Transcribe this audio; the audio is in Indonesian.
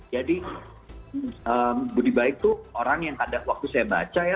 jadi budi baik tuh orang yang kadang waktu saya baca ya